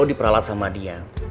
lo diperalat sama dia